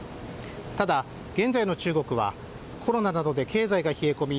ただ、現在の中国はコロナなどで経済が冷え込み